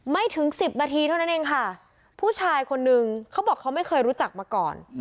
ถึงสิบนาทีเท่านั้นเองค่ะผู้ชายคนนึงเขาบอกเขาไม่เคยรู้จักมาก่อน